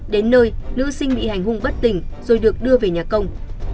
đến nơi nữ sinh bị hành hung bất tỉnh rồi được đưa về nhà công